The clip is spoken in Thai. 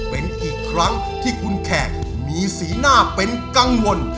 เป็นอีกครั้งที่คุณแขกมีสีหน้าเป็นกังวล